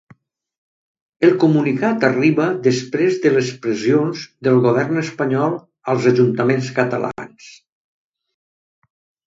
El comunicat arriba després de les pressions del govern espanyol als ajuntaments catalans.